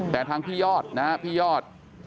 แต่ทางพี่ยอดนะฮะพี่ยอด